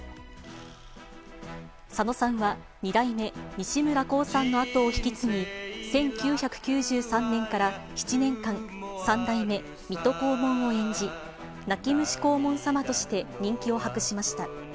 佐野さんは、２代目西村晃さんの後を引き継ぎ、１９９３年から７年間、３代目水戸黄門を演じ、泣き虫黄門さまとして人気を博しました。